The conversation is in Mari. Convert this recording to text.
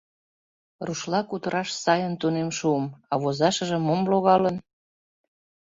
Рушла кутыраш сайын тунем шуым, а возашыже мом логалын?